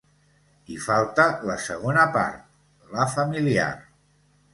I falta la segona part, la familiar.